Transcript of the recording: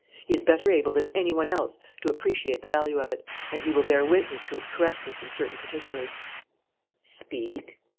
He is better able than any one else to appreciate the value of it; and he will bear witness to its correctness in certain particulars." "Speak!"